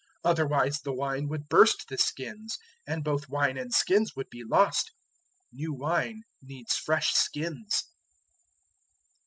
Otherwise the wine would burst the skins, and both wine and skins would be lost. New wine needs fresh skins!"